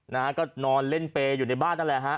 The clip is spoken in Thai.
นะฮะก็นอนเล่นเปย์อยู่ในบ้านนั่นแหละฮะ